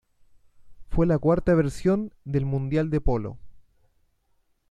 Fue la cuarta versión del mundial de polo.